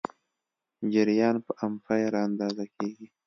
جریان په امپیر اندازه کېږي.